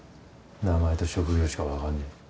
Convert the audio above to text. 名前と職業しか分かんねえ。